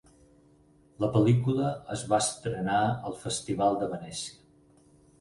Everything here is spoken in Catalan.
La pel·lícula es va estrenar al Festival de Venècia.